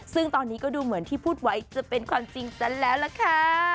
ซึ่งตอนนี้ก็ดูเหมือนที่พูดไว้จะเป็นความจริงซะแล้วล่ะค่ะ